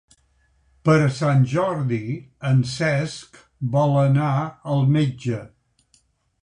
Per Sant Jordi en Cesc vol anar al metge.